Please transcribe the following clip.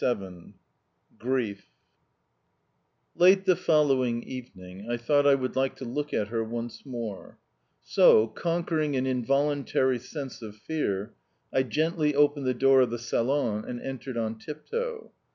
XXVII GRIEF LATE the following evening I thought I would like to look at her once more; so, conquering an involuntary sense of fear, I gently opened the door of the salon and entered on tiptoe.